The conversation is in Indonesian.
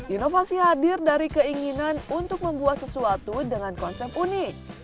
inovasi hadir dari keinginan untuk membuat sesuatu dengan konsep unik